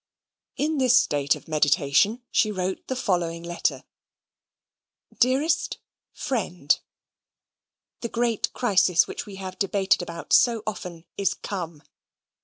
In this state of meditation she wrote the following letter: Dearest Friend, The great crisis which we have debated about so often is COME.